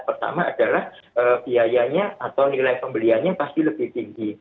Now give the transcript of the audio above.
pertama adalah biayanya atau nilai pembeliannya pasti lebih tinggi